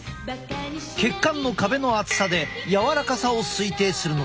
血管の壁の厚さで柔らかさを推定するのだ。